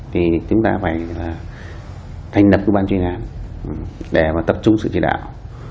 thì chúng ta phải thành lập cơ quan chuyên án để tập trung sự chỉ đạo